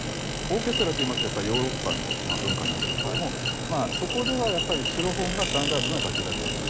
オーケストラといいますとやっぱりヨーロッパの文化なわけですけどもそこではやっぱりシロフォンがスタンダードな楽器だったんです。